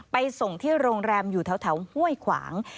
ไปส่งที่โรงแรมอยู่แถวห้วยขวาง